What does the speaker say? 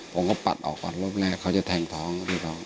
ผมก็ปัดออกก่อนรบแรกเขาจะแทงท้อง